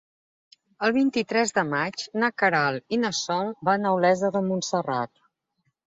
El vint-i-tres de maig na Queralt i na Sol van a Olesa de Montserrat.